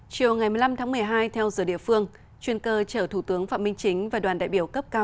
chiều ngày một mươi năm tháng một mươi hai theo giờ địa phương chuyên cơ chở thủ tướng phạm minh chính và đoàn đại biểu cấp cao